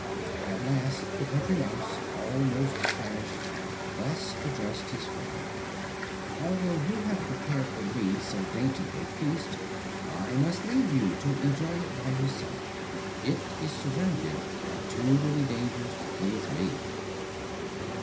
At last the Country Mouse, almost famished, thus addressed his friend: "Although you have prepared for me so dainty a feast, I must leave you to enjoy it by yourself. It is surrounded by too many dangers to please me."